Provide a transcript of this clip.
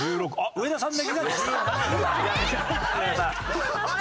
上田さんが！